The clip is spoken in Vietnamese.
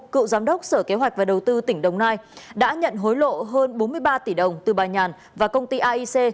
cựu giám đốc sở kế hoạch và đầu tư tỉnh đồng nai đã nhận hối lộ hơn bốn mươi ba tỷ đồng từ bà nhàn và công ty aic